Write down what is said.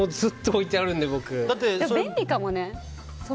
でも、便利かもね。